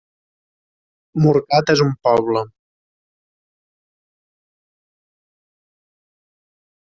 Morcat és un poble.